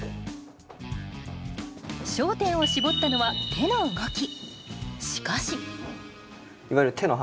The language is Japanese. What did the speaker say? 焦点を絞ったのは手の動き。